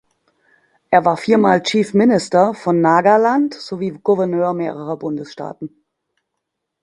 Er war viermal Chief Minister von Nagaland sowie Gouverneur mehrerer Bundesstaaten.